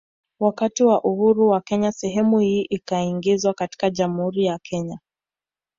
Wakati wa uhuru wa Kenya sehemu hii ikaingizwa katika Jamhuri ya Kenya